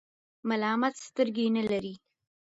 ملامت سترګي نلری .